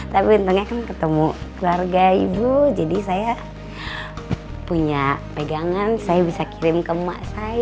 tapi untungnya kan ketemu keluarga ibu jadi saya punya pegangan saya bisa kirim ke emak saya